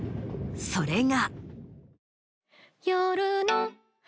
それが。